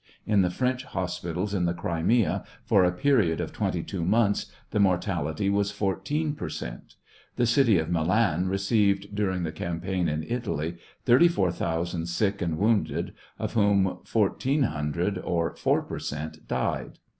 ; in the French hospitals in the Crimea, for a period of twenty two months, the mortality was 14 per cent. The city of Milan received during the campaign in Italy 34,000 sick and wounded, of whom 1,400, or four per cent., died.